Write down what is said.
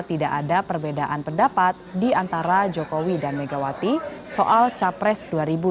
tidak ada perbedaan pendapat di antara jokowi dan megawati soal capres dua ribu dua puluh